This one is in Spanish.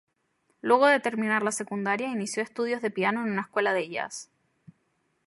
Luego de terminar la secundaria inició estudios de piano en una escuela de jazz.